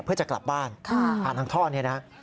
เพื่อจะกลับบ้านทั้งท่อเนี่ยนะ